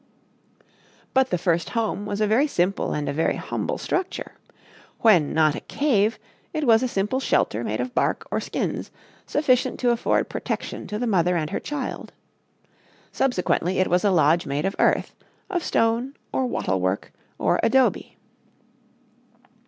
But the first home was a very simple and a very humble structure. When not a cave, it was a simple shelter made of bark or skins, sufficient to afford protection to the mother and her child. Subsequently it was a lodge made of earth, of stone or wattle work or adobe.